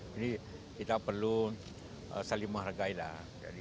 jadi kita perlu saling menghargai lah